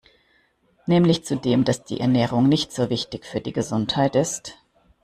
Nämlich zu dem, dass die Ernährung nicht so wichtig für die Gesundheit ist.